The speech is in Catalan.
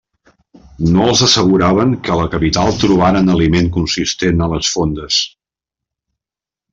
No els asseguraven que a la capital trobaren aliment consistent a les fondes.